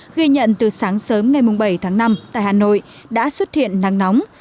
ghi nhận từ sáng sớm ngày bảy tháng năm tại hà nội đã xuất hiện nắng nóng